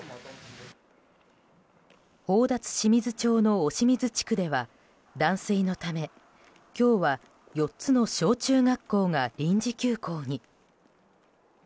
宝達志水町の押水地区では断水のため、今日は４つの小中学校が臨時休校に。